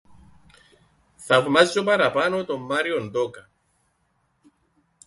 Θαυμάζω παραπάνω τον Μάριον Τόκαν.